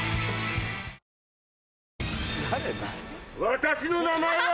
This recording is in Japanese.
私の名前は！